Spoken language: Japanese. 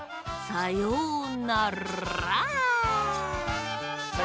さようなら！